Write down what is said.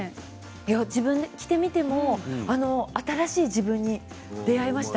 自分で着てみても新しい自分に出会いました。